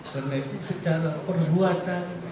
karena itu secara perbuatan